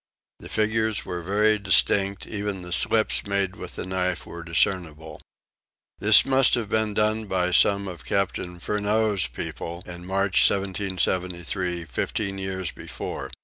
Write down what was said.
The figures were very distinct; even the slips made with the knife were discernible. This must have been done by some of captain Furneaux's people in March 1773, fifteen years before.